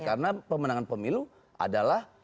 karena pemenangan pemilu adalah